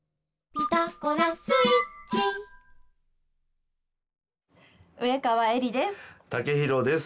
「ピタゴラスイッチ」うえかわえりです。